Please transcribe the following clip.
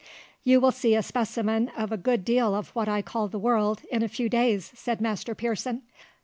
"You will see a specimen of a good deal of what I call the world in a few days," said Master Pearson.